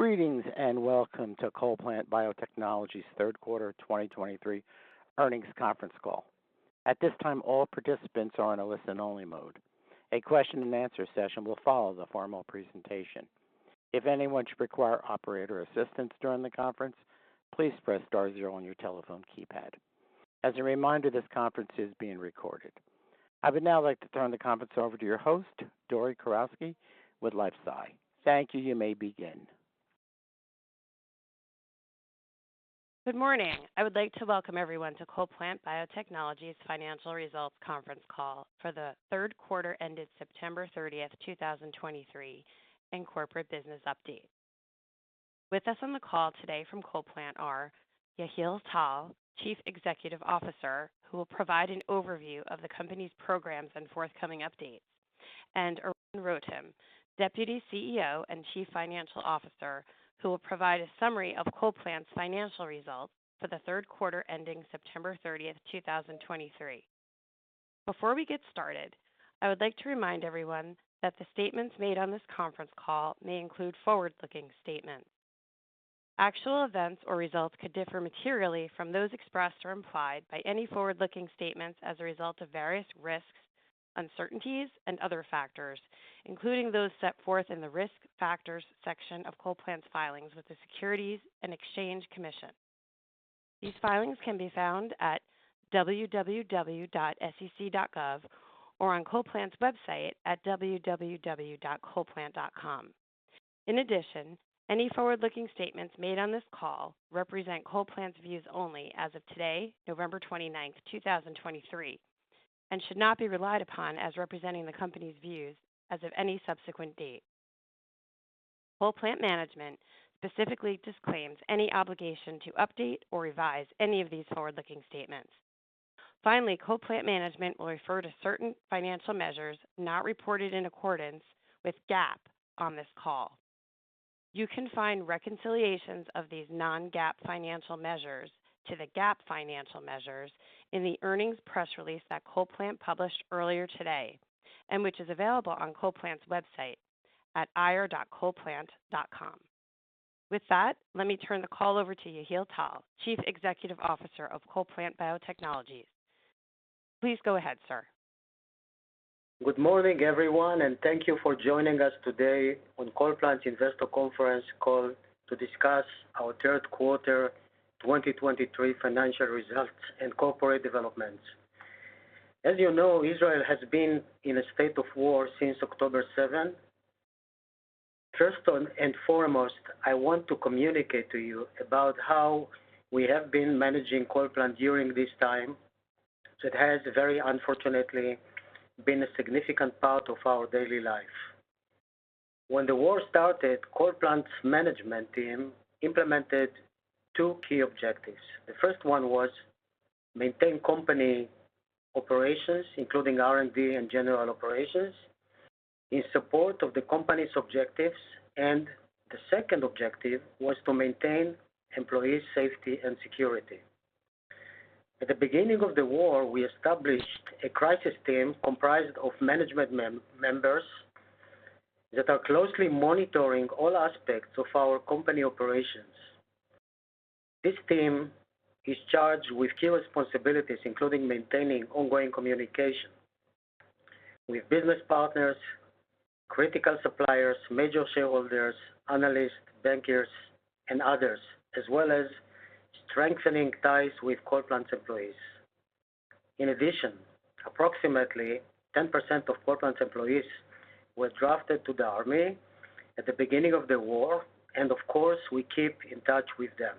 Greetings, and welcome to CollPlant Biotechnologies' Q3 2023 earnings conference call. At this time, all participants are in a listen-only mode. A question-and-answer session will follow the formal presentation. If anyone should require operator assistance during the conference, please press star zero on your telephone keypad. As a reminder, this conference is being recorded. I would now like to turn the conference over to your host, Dori Karofsky, with LifeSci. Thank you. You may begin. Good morning. I would like to welcome everyone to CollPlant Biotechnologies Financial Results conference call for the Q3 ended September 30, 2023, and corporate business update. With us on the call today from CollPlant are Yehiel Tal, Chief Executive Officer, who will provide an overview of the company's programs and forthcoming updates, and Eran Rotem, Deputy CEO and Chief Financial Officer, who will provide a summary of CollPlant's financial results for the Q3, ending September 30, 2023. Before we get started, I would like to remind everyone that the statements made on this conference call may include forward-looking statements. Actual events or results could differ materially from those expressed or implied by any forward-looking statements as a result of various risks, uncertainties, and other factors, including those set forth in the Risk Factors section of CollPlant's filings with the Securities and Exchange Commission. These filings can be found at www.sec.gov or on CollPlant's website at www.collplant.com. In addition, any forward-looking statements made on this call represent CollPlant's views only as of today, November twenty-ninth, two thousand twenty-three, and should not be relied upon as representing the company's views as of any subsequent date. CollPlant management specifically disclaims any obligation to update or revise any of these forward-looking statements. Finally, CollPlant management will refer to certain financial measures not reported in accordance with GAAP on this call. You can find reconciliations of these non-GAAP financial measures to the GAAP financial measures in the earnings press release that CollPlant published earlier today, and which is available on CollPlant's website at ir.collplant.com. With that, let me turn the call over to Yehiel Tal, Chief Executive Officer of CollPlant Biotechnologies. Please go ahead, sir. Good morning, everyone, and thank you for joining us today on CollPlant's Investor Conference Call to discuss our Q3 2023 financial results and corporate developments. As you know, Israel has been in a state of war since October seventh. First and foremost, I want to communicate to you about how we have been managing CollPlant during this time. So it has very unfortunately been a significant part of our daily life. When the war started, CollPlant's management team implemented two key objectives. The first one was maintain company operations, including R&D and general operations, in support of the company's objectives, and the second objective was to maintain employees' safety and security. At the beginning of the war, we established a crisis team comprised of management members that are closely monitoring all aspects of our company operations. This team is charged with key responsibilities, including maintaining ongoing communication with business partners, critical suppliers, major shareholders, analysts, bankers, and others, as well as strengthening ties with CollPlant's employees. In addition, approximately 10% of CollPlant's employees were drafted to the army at the beginning of the war, and of course, we keep in touch with them.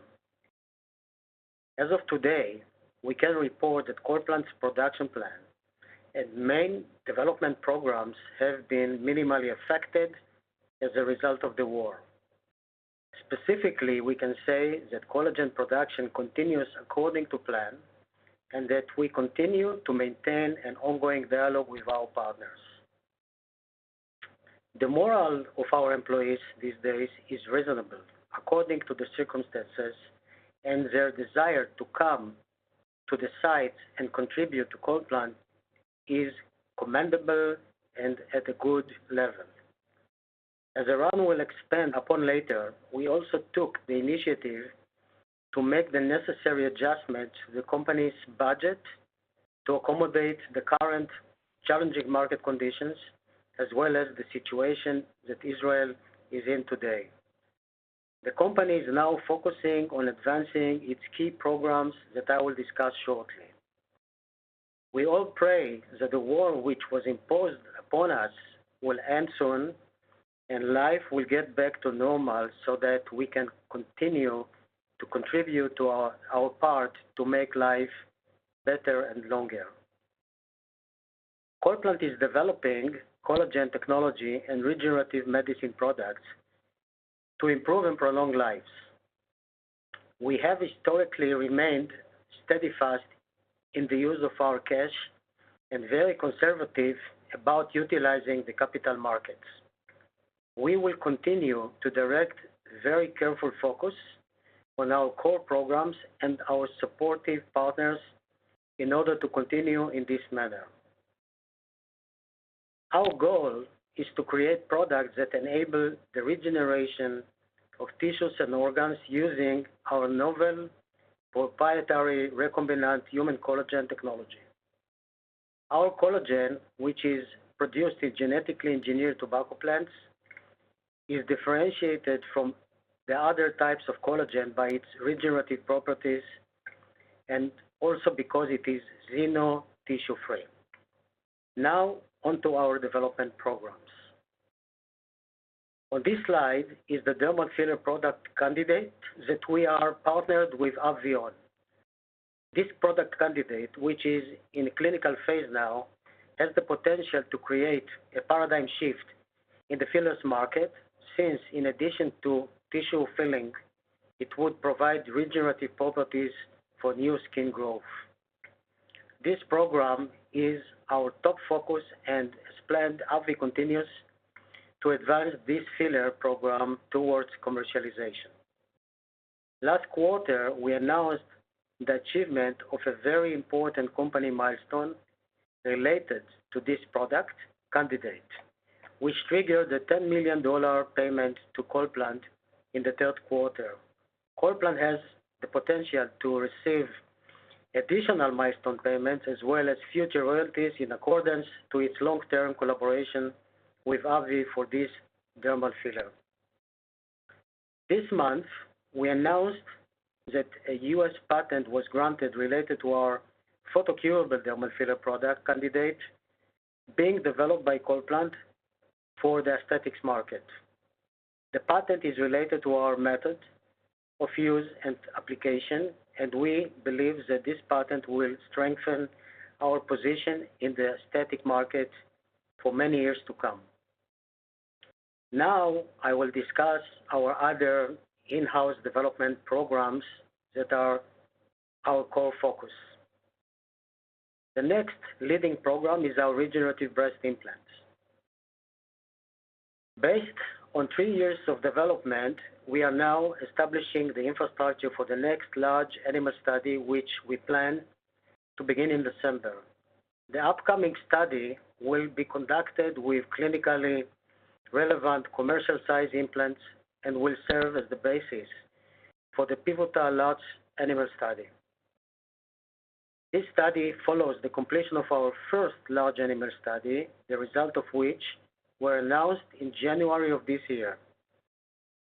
As of today, we can report that CollPlant's production plan and main development programs have been minimally affected as a result of the war. Specifically, we can say that collagen production continues according to plan and that we continue to maintain an ongoing dialogue with our partners. The morale of our employees these days is reasonable, according to the circumstances, and their desire to come to the site and contribute to CollPlant is commendable and at a good level. As Eran will expand upon later, we also took the initiative to make the necessary adjustments to the company's budget to accommodate the current challenging market conditions, as well as the situation that Israel is in today. The company is now focusing on advancing its key programs that I will discuss shortly. We all pray that the war which was imposed upon us will end soon and life will get back to normal so that we can continue to contribute to our part to make life better and longer. CollPlant is developing collagen technology and regenerative medicine products to improve and prolong lives. We have historically remained steadfast in the use of our cash and very conservative about utilizing the capital markets. We will continue to direct very careful focus on our core programs and our supportive partners in order to continue in this manner. Our goal is to create products that enable the regeneration of tissues and organs using our novel proprietary recombinant human collagen technology. Our collagen, which is produced in genetically engineered tobacco plants, is differentiated from the other types of collagen by its regenerative properties and also because it is xeno-free. Now, onto our development programs. On this slide is the dermal filler product candidate that we are partnered with AbbVie on. This product candidate, which is in clinical phase now, has the potential to create a paradigm shift in the fillers market, since in addition to tissue filling, it would provide regenerative properties for new skin growth. This program is our top focus, and as planned, AbbVie continues to advance this filler program towards commercialization. Last quarter, we announced the achievement of a very important company milestone related to this product candidate, which triggered a $10 million payment to CollPlant in the Q3. CollPlant has the potential to receive additional milestone payments as well as future royalties in accordance to its long-term collaboration with AbbVie for this dermal filler. This month, we announced that a U.S. patent was granted related to our photocurable dermal filler product candidate being developed by CollPlant for the aesthetic market. The patent is related to our method of use and application, and we believe that this patent will strengthen our position in the aesthetic market for many years to come. Now, I will discuss our other in-house development programs that are our core focus. The next leading program is our regenerative breast implants. Based on three years of development, we are now establishing the infrastructure for the next large animal study, which we plan to begin in December. The upcoming study will be conducted with clinically relevant commercial-size implants and will serve as the basis for the pivotal large animal study. This study follows the completion of our first large animal study, the result of which were announced in January of this year.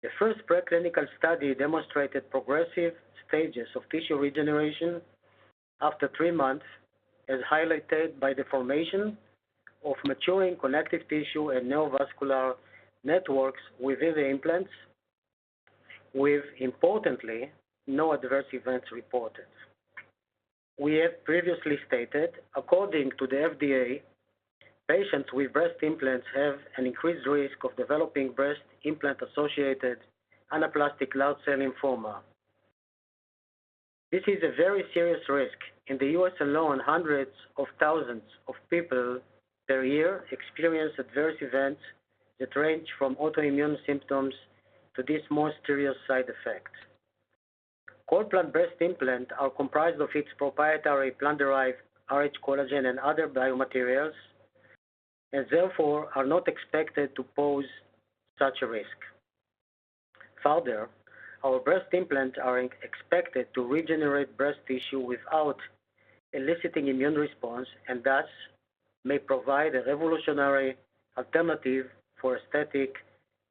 The first preclinical study demonstrated progressive stages of tissue regeneration after three months, as highlighted by the formation of maturing connective tissue and neurovascular networks within the implants, with importantly, no adverse events reported. We have previously stated, according to the FDA, patients with breast implants have an increased risk of developing breast implant-associated anaplastic large cell lymphoma. This is a very serious risk. In the U.S. alone, hundreds of thousands of people per year experience adverse events that range from autoimmune symptoms to this more serious side effect. CollPlant breast implants are comprised of its proprietary plant-derived rhCollagen and other biomaterials, and therefore are not expected to pose such a risk. Further, our breast implants are expected to regenerate breast tissue without eliciting immune response, and thus may provide a revolutionary alternative for aesthetic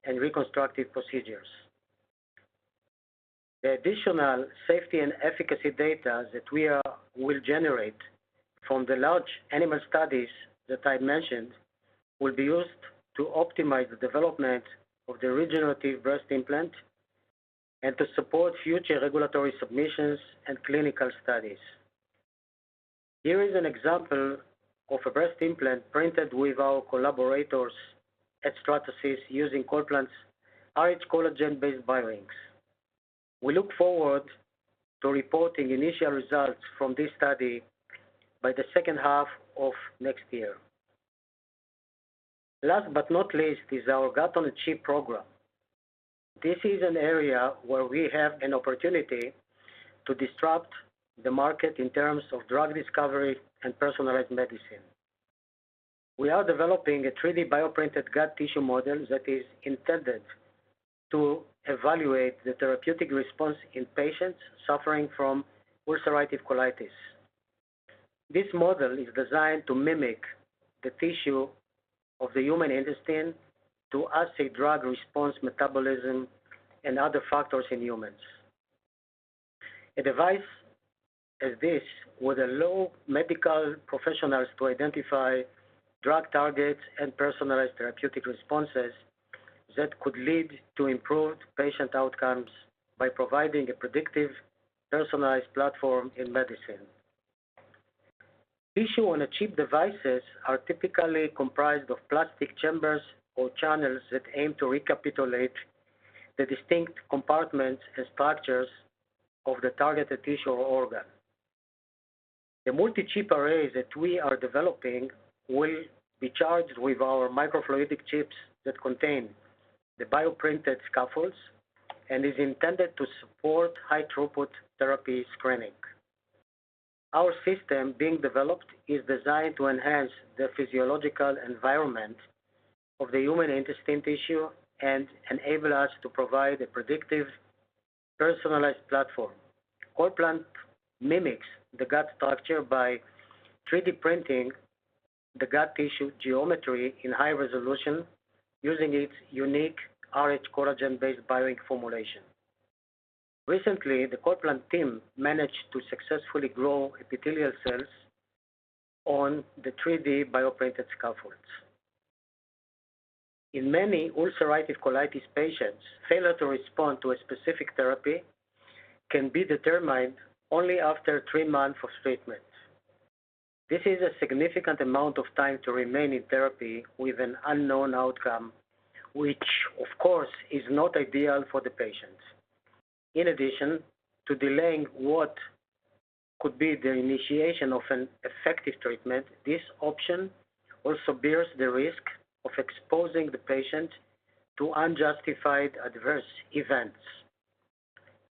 and reconstructive procedures. The additional safety and efficacy data that we will generate from the large animal studies that I mentioned, will be used to optimize the development of the regenerative breast implant and to support future regulatory submissions and clinical studies. Here is an example of a breast implant printed with our collaborators at Stratasys using CollPlant's rhCollagen-based BioInks. We look forward to reporting initial results from this study by the second half of next year. Last but not least, is our Gut-on-a-Chip program. This is an area where we have an opportunity to disrupt the market in terms of drug discovery and personalized medicine. We are developing a 3D bioprinted gut tissue model that is intended to evaluate the therapeutic response in patients suffering from ulcerative colitis. This model is designed to mimic the tissue of the human intestine to assay drug response, metabolism, and other factors in humans. A device as this would allow medical professionals to identify drug targets and personalized therapeutic responses that could lead to improved patient outcomes by providing a predictive, personalized platform in medicine. Tissue-on-a-chip devices are typically comprised of plastic chambers or channels that aim to recapitulate the distinct compartments and structures of the targeted tissue or organ. The multi-chip array that we are developing will be charged with our microfluidic chips that contain the bioprinted scaffolds and is intended to support high-throughput therapy screening. Our system being developed is designed to enhance the physiological environment of the human intestine tissue and enable us to provide a predictive, personalized platform. CollPlant mimics the gut structure by 3D printing the gut tissue geometry in high resolution using its unique rhCollagen-based BioInk formulation. Recently, the CollPlant team managed to successfully grow epithelial cells on the 3D bioprinted scaffolds. In many ulcerative colitis patients, failure to respond to a specific therapy can be determined only after three months of treatment. This is a significant amount of time to remain in therapy with an unknown outcome, which of course, is not ideal for the patients. In addition to delaying what could be the initiation of an effective treatment, this option also bears the risk of exposing the patient to unjustified adverse events.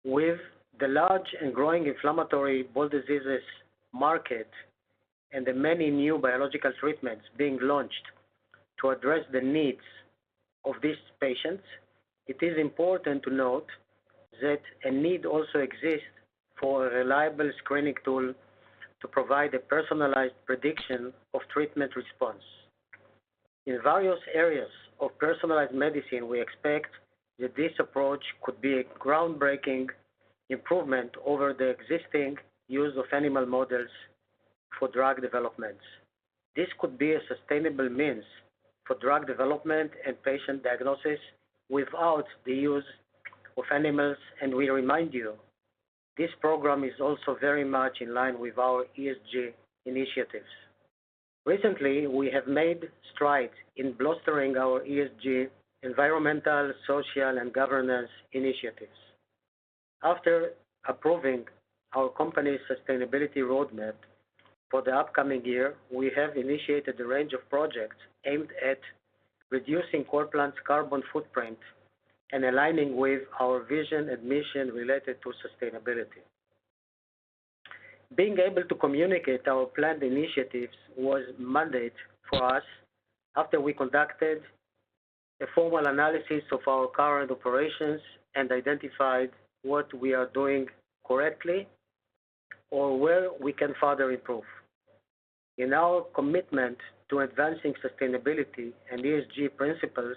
With the large and growing inflammatory bowel diseases market and the many new biological treatments being launched to address the needs of these patients, it is important to note that a need also exists for a reliable screening tool to provide a personalized prediction of treatment response. In various areas of personalized medicine, we expect that this approach could be a groundbreaking improvement over the existing use of animal models for drug developments. This could be a sustainable means for drug development and patient diagnosis without the use of animals, and we remind you, this program is also very much in line with our ESG initiatives. Recently, we have made strides in bolstering our ESG environmental, social, and governance initiatives. After approving our company's sustainability roadmap for the upcoming year, we have initiated a range of projects aimed at reducing CollPlant's carbon footprint and aligning with our vision and mission related to sustainability. Being able to communicate our planned initiatives was a mandate for us after we conducted a formal analysis of our current operations and identified what we are doing correctly or where we can further improve. In our commitment to advancing sustainability and ESG principles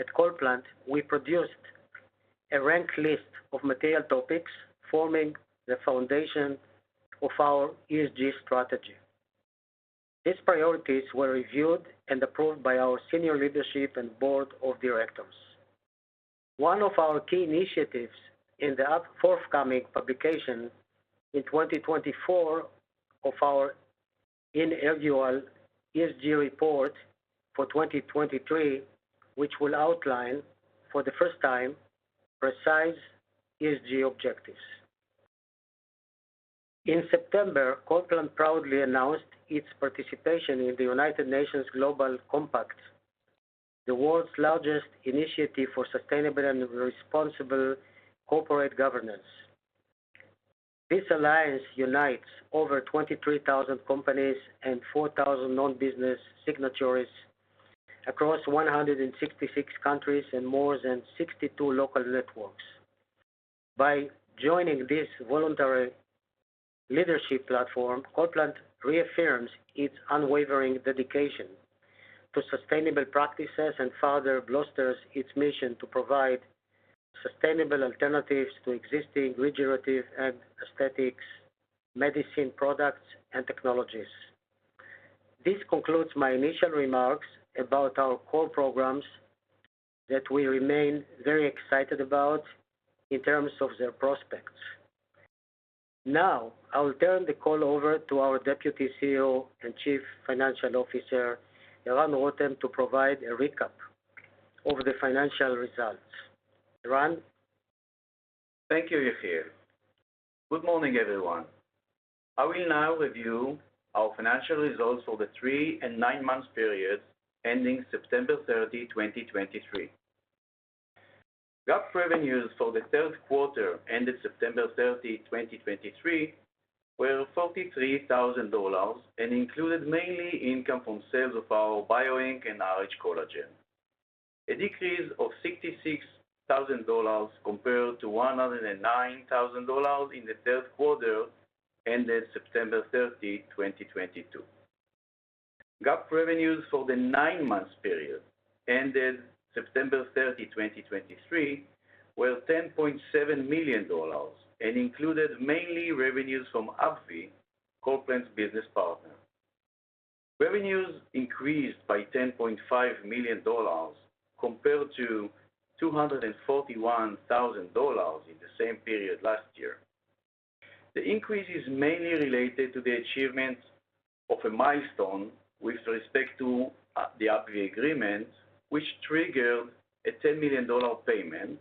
at CollPlant, we produced a ranked list of material topics forming the foundation of our ESG strategy. These priorities were reviewed and approved by our senior leadership and board of directors. One of our key initiatives in the forthcoming publication in 2024 of our annual ESG report for 2023, which will outline, for the first time, precise ESG objectives. In September, CollPlant proudly announced its participation in the United Nations Global Compact, the world's largest initiative for sustainable and responsible corporate governance. This alliance unites over 23,000 companies and 4,000 non-business signatories across 166 countries and more than 62 local networks. By joining this voluntary leadership platform, CollPlant reaffirms its unwavering dedication to sustainable practices and further bolsters its mission to provide sustainable alternatives to existing regenerative and aesthetic medicine products and technologies. This concludes my initial remarks about our core programs that we remain very excited about in terms of their prospects. Now, I will turn the call over to our Deputy CEO and Chief Financial Officer, Eran Rotem, to provide a recap of the financial results. Eran? Thank you, Yehiel. Good morning, everyone. I will now review our financial results for the three- and nine-month periods ending September 30, 2023. GAAP revenues for the Q3, ended September 30, 2023, were $43,000 and included mainly income from sales of our BioInk and rhCollagen. A decrease of $66,000 compared to $109,000 in the Q3, ended September 30, 2022. GAAP revenues for the nine-month period, ended September 30, 2023, were $10.7 million and included mainly revenues from AbbVie, CollPlant's business partner. Revenues increased by $10.5 million compared to $241,000 in the same period last year. The increase is mainly related to the achievement of a milestone with respect to the AbbVie agreement, which triggered a $10 million payment,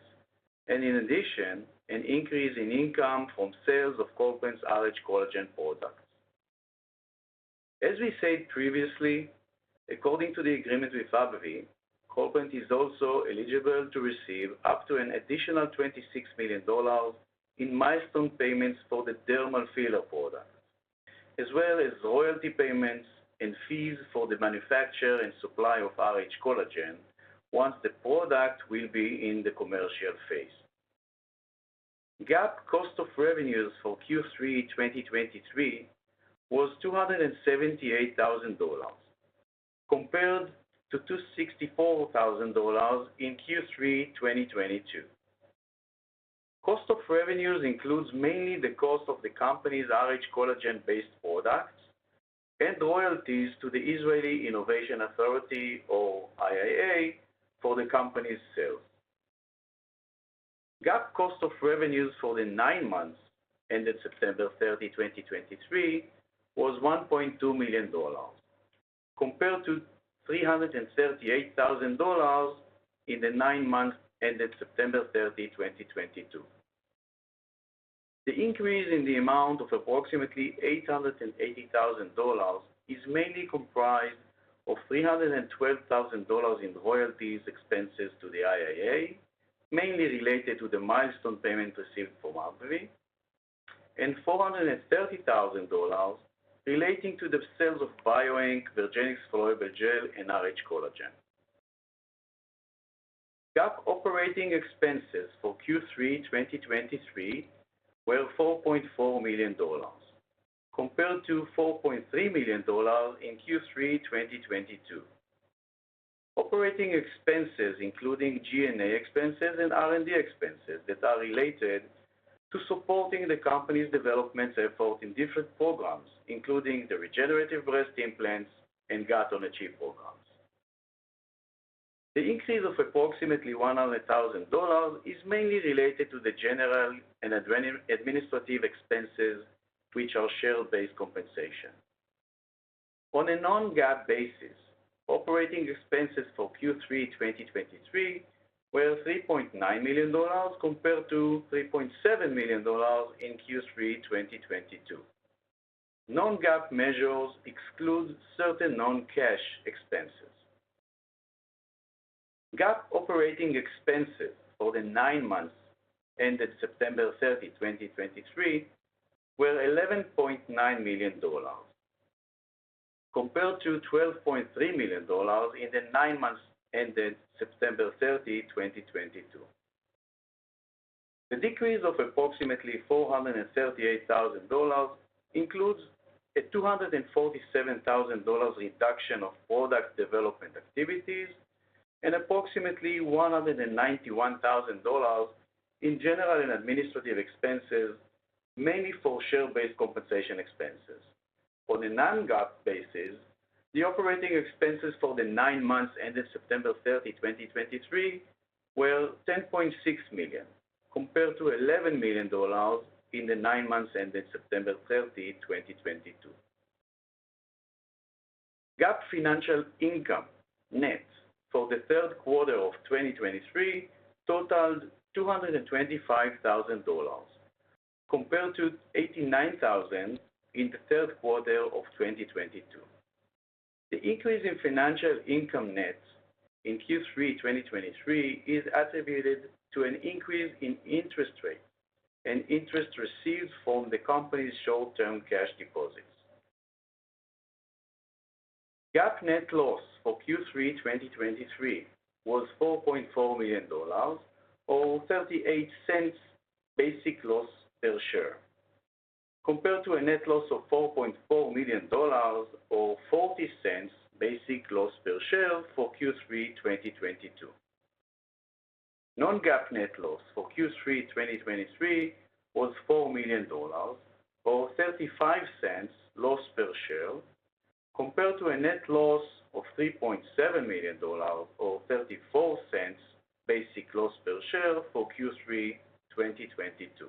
and in addition, an increase in income from sales of CollPlant's rhCollagen products. As we said previously, according to the agreement with AbbVie, CollPlant is also eligible to receive up to an additional $26 million in milestone payments for the dermal filler product, as well as royalty payments and fees for the manufacture and supply of rhCollagen once the product will be in the commercial phase. GAAP cost of revenues for Q3 2023 was $278,000, compared to $264,000 in Q3 2022. Cost of revenues includes mainly the cost of the company's rhCollagen-based products and royalties to the Israeli Innovation Authority or IIA, for the company's sales. GAAP cost of revenues for the nine months ended September 30, 2023, was $1.2 million, compared to $338,000 in the nine months ended September 30, 2022. The increase in the amount of approximately $880,000 is mainly comprised of $312,000 in royalties expenses to the IIA, mainly related to the milestone payment received from AbbVie, and $430,000 relating to the sales of BioInk, Vergenix Flowable Gel, and rhCollagen. GAAP operating expenses for Q3 2023 were $4.4 million, compared to $4.3 million in Q3 2022. Operating expenses, including G&A expenses and R&D expenses, that are related to supporting the company's development effort in different programs, including the regenerative breast implants and Gut-on-a-Chip programs. The increase of approximately $100,000 is mainly related to the general and administrative expenses, which are share-based compensation. On a non-GAAP basis, operating expenses for Q3 2023 were $3.9 million, compared to $3.7 million in Q3 2022. Non-GAAP measures exclude certain non-cash expenses. GAAP operating expenses for the nine months ended September 30, 2023, were $11.9 million, compared to $12.3 million in the nine months ended September 30, 2022. The decrease of approximately $438,000 includes a $247,000 reduction of product development activities and approximately $191,000 in general and administrative expenses, mainly for share-based compensation expenses. On a non-GAAP basis, the operating expenses for the nine months ended September 30, 2023, were $10.6 million, compared to $11 million in the nine months ended September 30, 2022. GAAP financial income net for the Q3 of 2023 totaled $225,000, compared to $89,000 in the Q3 of 2022. The increase in financial income net in Q3, 2023, is attributed to an increase in interest rate and interest received from the company's short-term cash deposits. GAAP net loss for Q3, 2023, was $4.4 million, or $0.38 basic loss per share, compared to a net loss of $4.4 million, or $0.40 basic loss per share for Q3, 2022. Non-GAAP net loss for Q3 2023 was $4 million, or $0.35 loss per share, compared to a net loss of $3.7 million, or $0.34 basic loss per share for Q3 2022.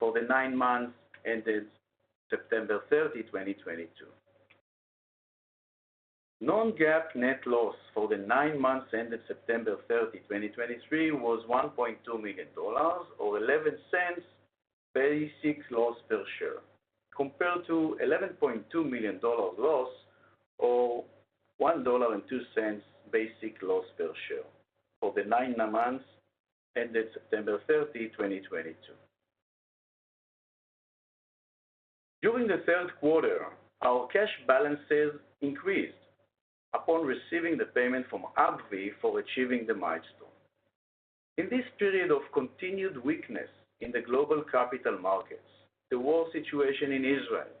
GAAP net loss for the nine months ended September 30, 2023, was $2.3 million, or $0.20 basic loss per share, compared to a net loss of $12.5 million, or $1.14 basic loss per share for the nine months ended September 30, 2022. Non-GAAP net loss for the nine months ended September 30, 2023, was $1.2 million, or $0.11 basic loss per share, compared to $11.2 million loss or $1.02 basic loss per share for the nine months ended September 30, 2022. During the Q3, our cash balances increased upon receiving the payment from AbbVie for achieving the milestone. In this period of continued weakness in the global capital markets, the war situation in Israel,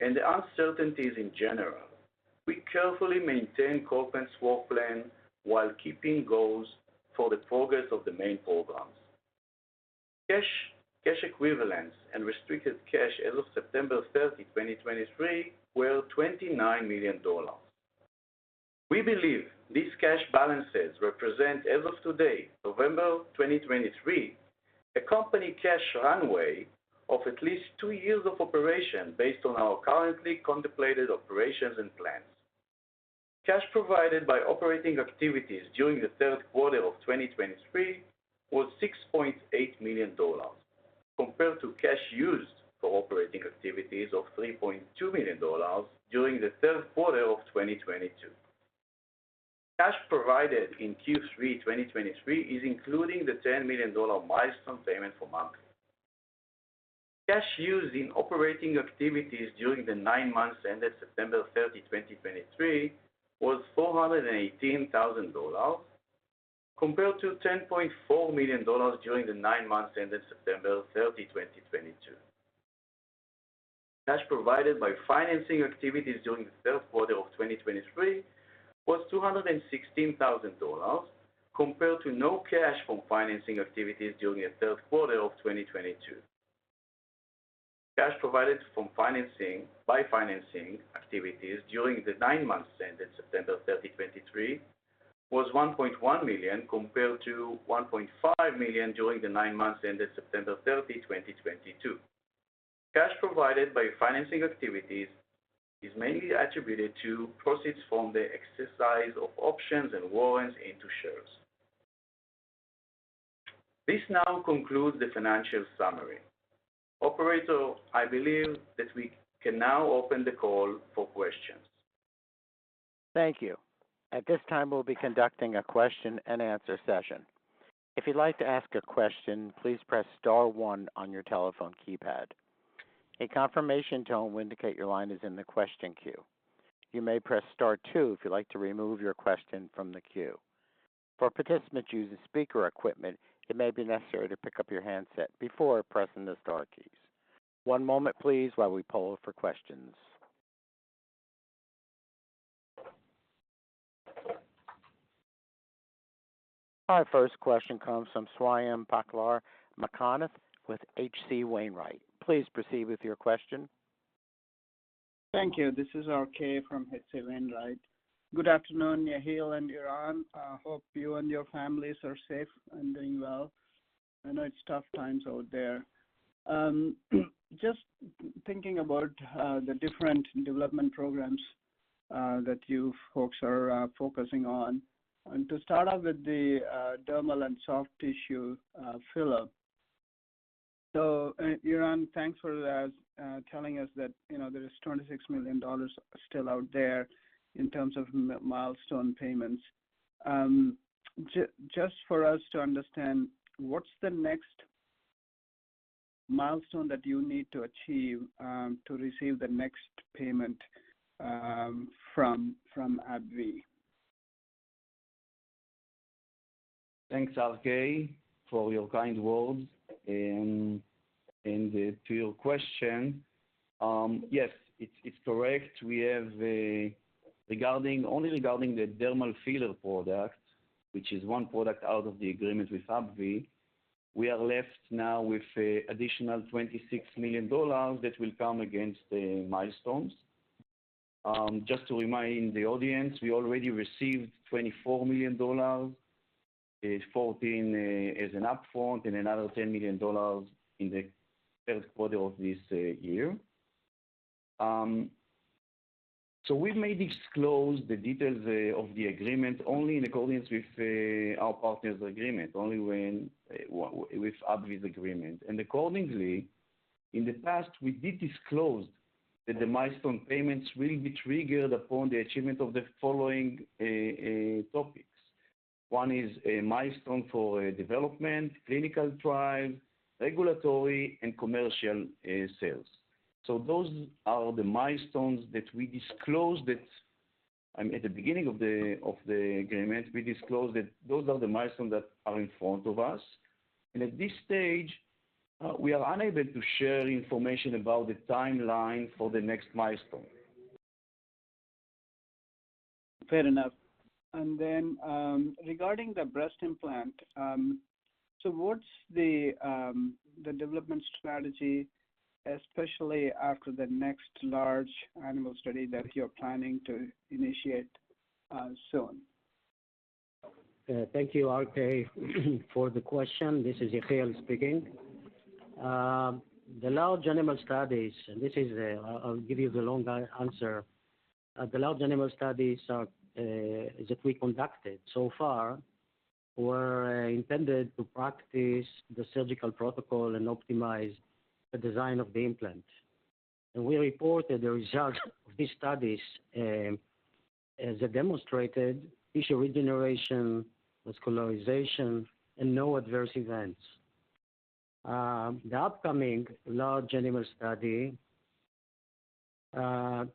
and the uncertainties in general, we carefully maintain CollPlant's work plan while keeping goals for the progress of the main programs. Cash, cash equivalents, and restricted cash as of September 30, 2023, were $29 million. We believe these cash balances represent, as of today, November 2023, a company cash runway of at least two years of operation, based on our currently contemplated operations and plans. Cash provided by operating activities during the Q3 of 2023 was $6.8 million, compared to cash used for operating activities of $3.2 million during the Q3 of 2022. Cash provided in Q3 2023 is including the $10 million milestone payment from AbbVie. Cash used in operating activities during the nine months ended September 30, 2023, was $418,000, compared to $10.4 million during the nine months ended September 30, 2022. Cash provided by financing activities during the Q3 of 2023 was $216,000, compared to no cash from financing activities during the Q3 of 2022. Cash provided by financing activities during the nine months ended September 30, 2023, was $1.1 million, compared to $1.5 million during the nine months ended September 30, 2022. Cash provided by financing activities is mainly attributed to proceeds from the exercise of options and warrants into shares. This now concludes the financial summary. Operator, I believe that we can now open the call for questions. Thank you. At this time, we'll be conducting a question and answer session. If you'd like to ask a question, please press star one on your telephone keypad. A confirmation tone will indicate your line is in the question queue. You may press star two if you'd like to remove your question from the queue. For participants using speaker equipment, it may be necessary to pick up your handset before pressing the star keys. One moment please, while we poll for questions. Our first question comes from Swayampakula Ramakanth with H.C. Wainwright. Please proceed with your question. Thank you. This is RK from H.C. Wainwright. Good afternoon, Yehiel and Eran. I hope you and your families are safe and doing well. I know it's tough times out there. Just thinking about the different development programs that you folks are focusing on. And to start off with the dermal and soft tissue filler. So, Eran, thanks for telling us that, you know, there is $26 million still out there in terms of milestone payments. Just for us to understand, what's the next milestone that you need to achieve to receive the next payment from AbbVie? Thanks, RK, for your kind words. And to your question, yes, it's correct. Only regarding the dermal filler product, which is one product out of the agreement with AbbVie, we are left now with an additional $26 million that will come against the milestones. Just to remind the audience, we already received $24 million, 14 as an upfront and another $10 million in the Q3 of this year. So we may disclose the details of the agreement only in accordance with our partner's agreement, only when with AbbVie's agreement. And accordingly, in the past, we did disclose that the milestone payments will be triggered upon the achievement of the following topics. One is a milestone for development, clinical trial, regulatory, and commercial sales. So those are the milestones that we disclosed. At the beginning of the agreement, we disclosed that those are the milestones that are in front of us. And at this stage, we are unable to share information about the timeline for the next milestone. Fair enough. And then, regarding the breast implant, so what's the, the development strategy, especially after the next large animal study that you're planning to initiate, soon? Thank you, RK, for the question. This is Yehiel speaking. The large animal studies, and this is. I'll give you the long answer. The large animal studies are that we conducted so far were intended to practice the surgical protocol and optimize the design of the implant. And we reported the results of these studies as they demonstrated tissue regeneration, vascularization, and no adverse events. The upcoming large animal study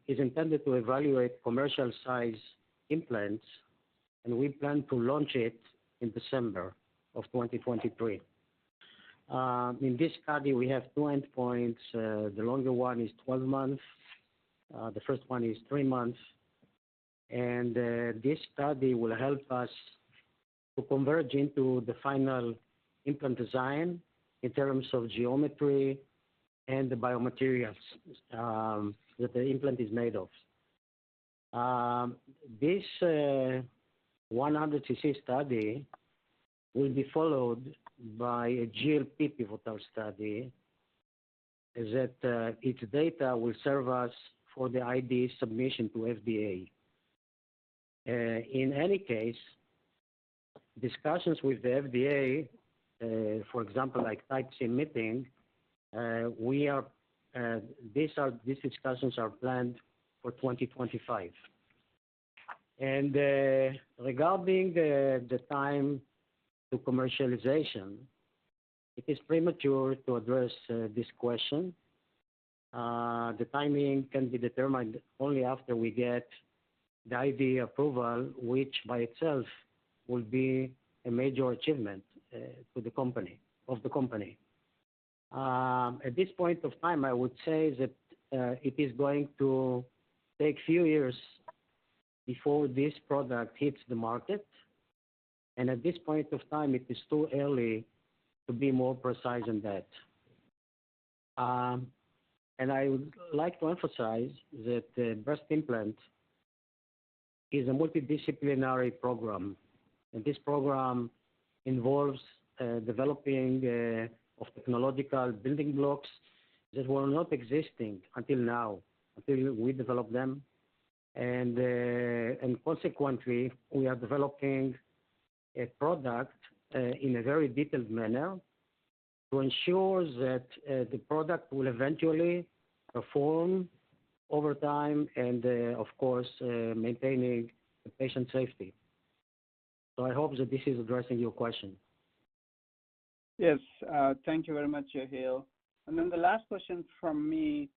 is intended to evaluate commercial size implants, and we plan to launch it in December 2023. In this study, we have two endpoints. The longer one is 12 months, the first one is 3 months. And this study will help us to converge into the final implant design in terms of geometry and the biomaterials that the implant is made of. This 100 cc study will be followed by a GLP pivotal study, its data will serve us for the IDE submission to FDA. In any case, discussions with the FDA, for example, like Type C meeting, we are, these discussions are planned for 2025. And, regarding the, the time to commercialization, it is premature to address, this question. The timing can be determined only after we get the IDE approval, which by itself will be a major achievement, to the company, of the company. At this point of time, I would say that, it is going to take few years before this product hits the market, and at this point of time, it is too early to be more precise than that. And I would like to emphasize that the breast implant is a multidisciplinary program, and this program involves developing of technological building blocks that were not existing until now, until we developed them. And and consequently, we are developing a product in a very detailed manner to ensure that the product will eventually perform over time and of course maintaining the patient safety. So I hope that this is addressing your question. Yes, thank you very much, Yehiel. And then the last question from me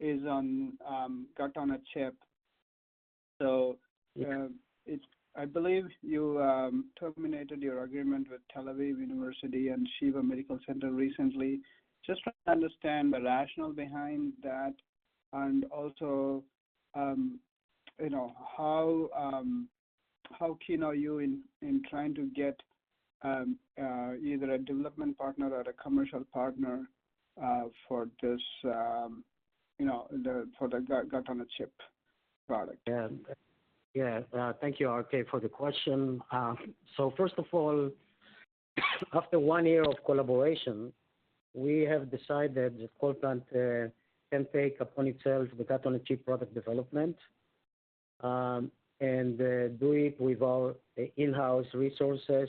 is on Gut-on-a-Chip. So- I believe you terminated your agreement with Tel Aviv University and Sheba Medical Center recently. Just want to understand the rationale behind that and also, you know, how keen are you in trying to get either a development partner or a commercial partner for this, you know, the, for the Gut-on-a-Chip product? Yeah. Yeah, thank you, RK, for the question. So first of all, after one year of collaboration, we have decided that CollPlant can take upon itself the Gut-on-a-Chip product development, and do it with our in-house resources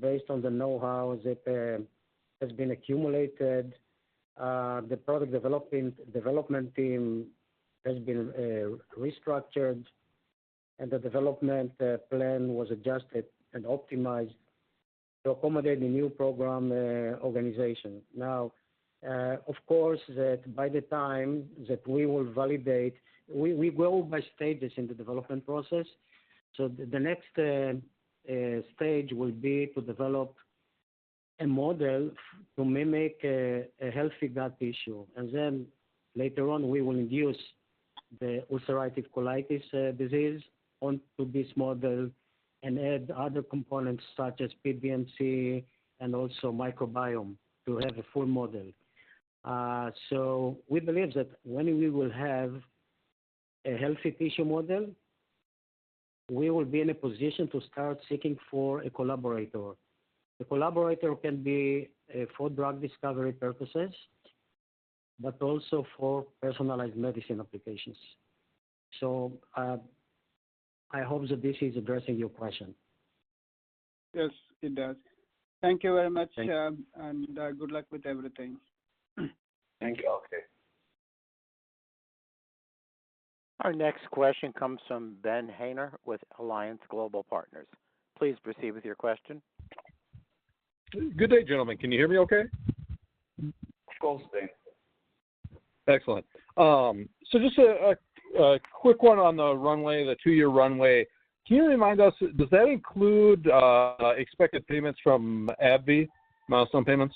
based on the know-how that has been accumulated. The product development team has been restructured, and the development plan was adjusted and optimized to accommodate the new program organization. Now, of course, that by the time that we will validate... We go by stages in the development process, so the next stage will be to develop a model to mimic a healthy gut tissue. And then later on, we will induce the ulcerative colitis disease onto this model and add other components such as PBMC and also microbiome to have a full model. So we believe that when we will have a healthy tissue model, we will be in a position to start seeking for a collaborator. The collaborator can be for drug discovery purposes, but also for personalized medicine applications. So, I hope that this is addressing your question. Yes, it does. Thank you very much- Thank you. Good luck with everything. Thank you, RK. Our next question comes from Ben Haynor with Alliance Global Partners. Please proceed with your question. Good day, gentlemen. Can you hear me okay? Of course, Ben. Excellent. So just a quick one on the runway, the two-year runway. Can you remind us, does that include expected payments from AbbVie, milestone payments?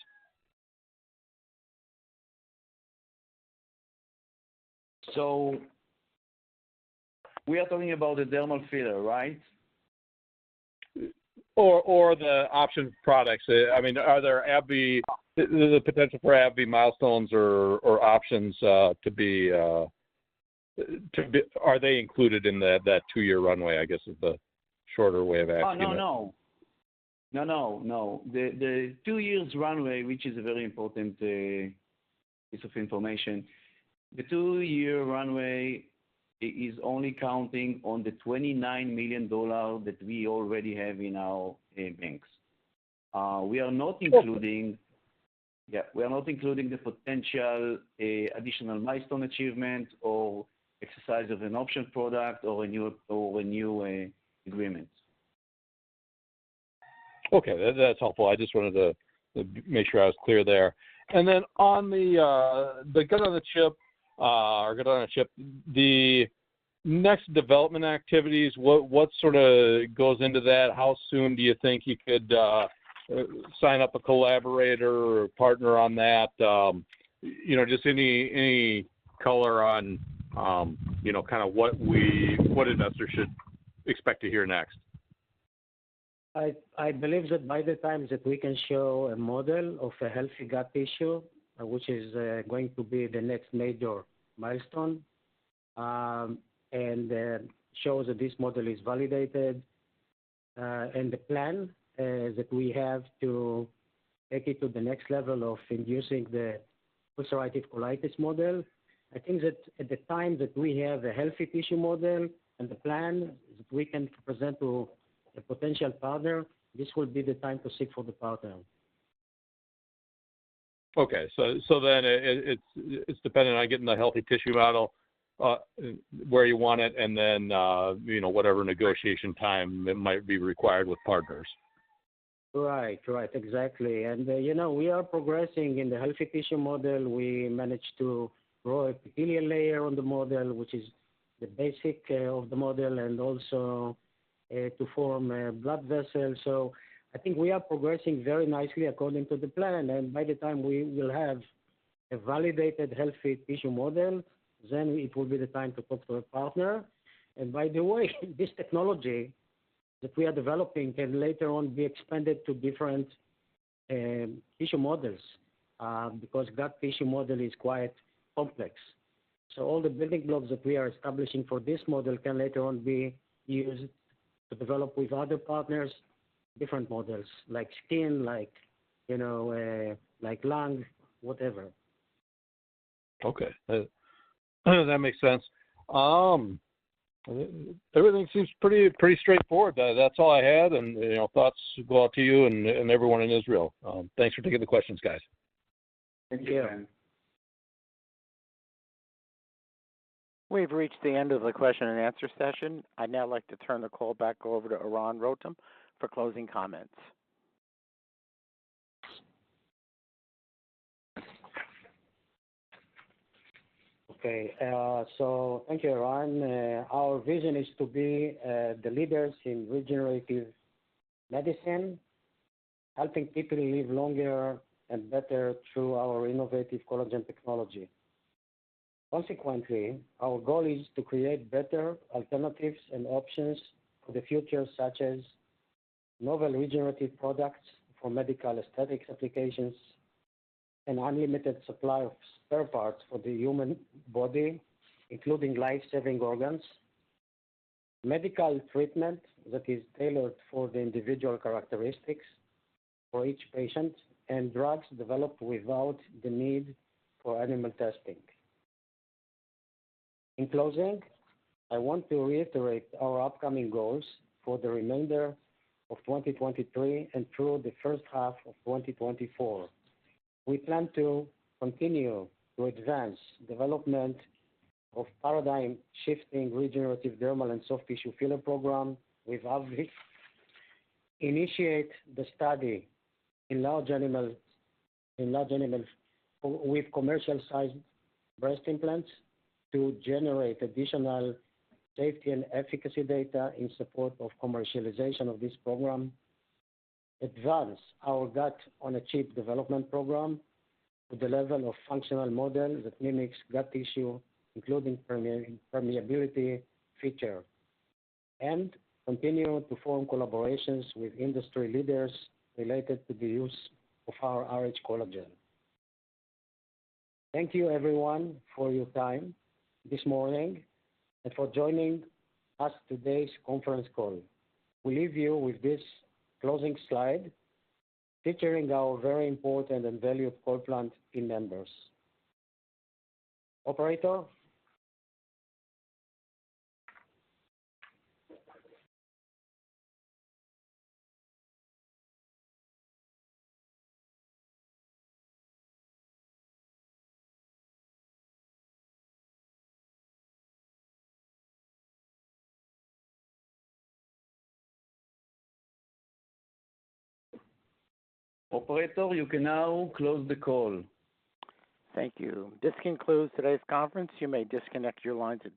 We are talking about the dermal filler, right? Or the option products. I mean, are there AbbVie—the potential for AbbVie milestones or options to be... Are they included in that two-year runway, I guess, is the shorter way of asking? Oh, no, no. No, no, no. The, the two years runway, which is a very important piece of information, the two-year runway is only counting on the $29 million that we already have in our banks. We are not including- Okay. Yeah, we are not including the potential additional milestone achievement or exercise of an option product or a new agreements. Okay, that's helpful. I just wanted to make sure I was clear there. And then on the Gut-on-a-Chip or Gut-on-a-Chip, the next development activities, what sort of goes into that? How soon do you think you could sign up a collaborator or partner on that? You know, just any color on, you know, kind of what investors should expect to hear next? I believe that by the time that we can show a model of a healthy gut tissue, which is going to be the next major milestone. And show that this model is validated, and the plan that we have to take it to the next level of inducing the ulcerative colitis model. I think that at the time that we have a healthy tissue model and the plan that we can present to a potential partner, this will be the time to seek for the partner. Okay. So then it's dependent on getting the healthy tissue model, where you want it, and then you know, whatever negotiation time that might be required with partners. Right. Right. Exactly. And, you know, we are progressing in the healthy tissue model. We managed to grow an epithelium layer on the model, which is the basic of the model, and also to form blood vessels. So I think we are progressing very nicely according to the plan, and by the time we will have a validated healthy tissue model, then it will be the time to talk to a partner. And by the way, this technology that we are developing can later on be expanded to different tissue models because gut tissue model is quite complex. So all the building blocks that we are establishing for this model can later on be used to develop with other partners, different models, like skin, like, you know, like lung, whatever. Okay. That makes sense. Everything seems pretty, pretty straightforward. That's all I had, and you know, thoughts go out to you and everyone in Israel. Thanks for taking the questions, guys. Thank you. We've reached the end of the question and answer session. I'd now like to turn the call back over to Eran Rotem for closing comments. Okay. So thank you, Eran. Our vision is to be the leaders in regenerative medicine, helping people live longer and better through our innovative collagen technology. Consequently, our goal is to create better alternatives and options for the future, such as novel regenerative products for medical aesthetics applications, an unlimited supply of spare parts for the human body, including life-saving organs. Medical treatment that is tailored for the individual characteristics for each patient, and drugs developed without the need for animal testing. In closing, I want to reiterate our upcoming goals for the remainder of 2023 and through the first half of 2024. We plan to continue to advance development of paradigm-shifting, regenerative dermal and soft tissue filler program with Allergan. Initiate the study in large animals, in large animals with commercial-sized breast implants to generate additional safety and efficacy data in support of commercialization of this program. Advance our Gut-on-a-Chip development program to the level of functional model that mimics gut tissue, including permeability feature. Continue to form collaborations with industry leaders related to the use of our rhCollagen. Thank you everyone for your time this morning, and for joining us today's conference call. We leave you with this closing slide, featuring our very important and valued CollPlant team members. Operator? Operator, you can now close the call. Thank you. This concludes today's conference. You may disconnect your lines now.